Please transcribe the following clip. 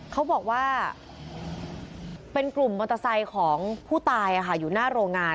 เขาบอกว่าเป็นกลุ่มมอเตอร์ไซค์ของผู้ตายอยู่หน้าโรงงาน